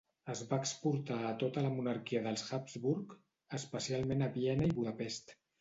Es va exportar a tota la monarquia dels Habsburg, especialment a Viena i Budapest.